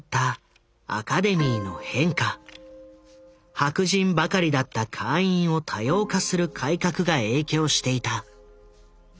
白人ばかりだった会員を多様化する改革が影響していた。